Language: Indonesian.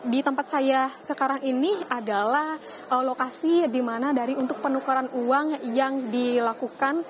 di tempat saya sekarang ini adalah lokasi di mana dari untuk penukaran uang yang dilakukan